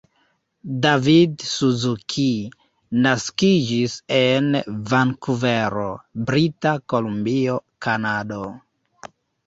David Suzuki naskiĝis en Vankuvero, Brita Kolumbio, Kanado.